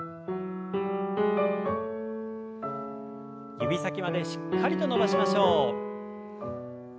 指先までしっかりと伸ばしましょう。